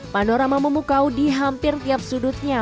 panorama memukau di hampir tiap sudutnya